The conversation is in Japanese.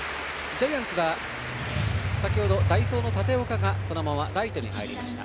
ジャイアンツが先ほど代走の立岡がそのままライトに入りました。